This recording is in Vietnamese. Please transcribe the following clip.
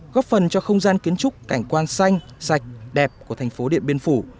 góp phần cho không gian kiến trúc cảnh quan xanh sạch đẹp của thành phố điện biên phủ